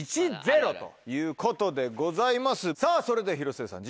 さぁそれでは広末さん